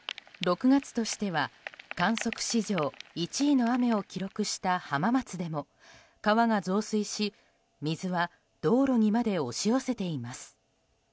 ６月としては観測史上１位の雨を記録した浜松でも川が増水し、水は道路にまで押し寄せています。